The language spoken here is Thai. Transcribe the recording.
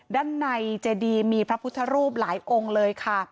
ด้านในเจดีมีพระพุทธรูปหลายองค์เลยค่ะ